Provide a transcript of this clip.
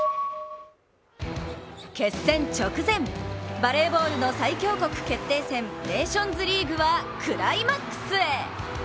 決戦直前、バレーボールの最強国決定戦ネーションズリーグはクライマックスへ！